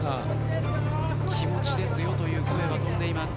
「気持ちですよ」という声が飛んでいます。